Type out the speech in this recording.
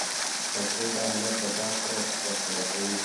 ډاکټره دا حالت له باغ سره پرتله کوي.